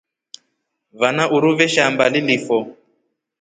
Vana uruu veshamba lilifo.